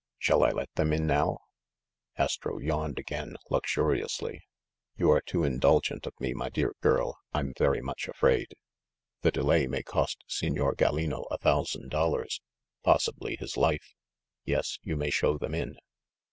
Shall I let them in now ?" Astro yawned again, luxuriously. "You are too in dulgent of me, my dear girl, I'm very much afraid. 60 THE MASTER OF MYSTERIES The delay may cost Signer Gallino a thousand dollars, possibly his life. Yes, you may show them in."